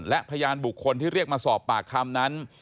และพยานบุคคลที่เรียกมาสอบปากคำนั้น